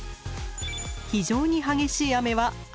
「非常に激しい雨」は赤色。